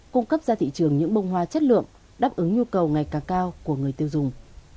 cung cấp ra thị trường những bông hoa chất lượng đáp ứng nhu cầu ngày càng cao của người tiêu dùng